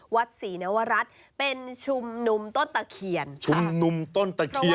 วัดศรีนวรัฐเป็นชุมนุมต้นตะเคียนชุมนุมต้นตะเคียน